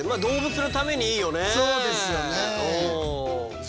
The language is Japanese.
そうですよね。